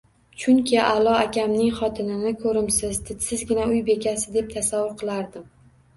Chunki A`lo akamning xotinini, ko`rimsiz, didsizgina uy bekasi deb tasavvur qilardim